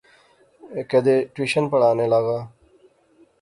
کیدے ٹیوشن پڑھانے لاغا